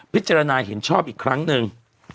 พิจารณาเห็นชอบอีกครั้งหนึ่ง